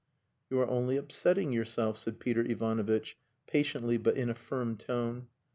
"You are only upsetting yourself," said Peter Ivanovitch, patiently but in a firm tone.